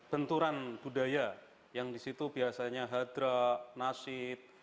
benturan budaya yang disitu biasanya hadrak nasib